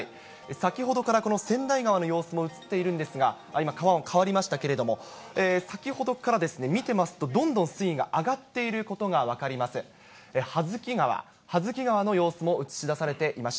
先ほどから、この川内川の様子が映っているんですが、今、川、変わりましたけれども、先ほどから見てますと、どんどん水位が上がっていることが分かります。